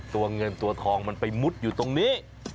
ตัวเงินตัวทองมันไปมุดอยู่ตรงนี้